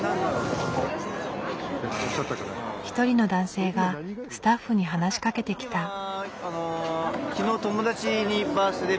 一人の男性がスタッフに話しかけてきた。